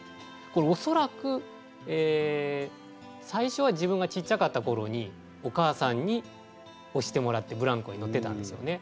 これおそらくえ最初は自分がちっちゃかった頃にお母さんに押してもらってぶらんこに乗ってたんですよね。